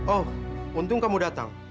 oh untung kamu datang